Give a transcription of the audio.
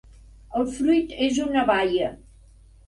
El fruit és una baia.